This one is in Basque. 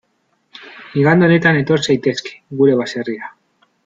Igande honetan etor zaitezke gure baserrira.